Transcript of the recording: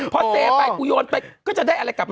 พอเซไปกูโยนไปก็จะได้อะไรกลับมา